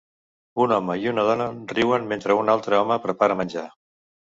Un home i una dona riuen mentre un altre home prepara menjar.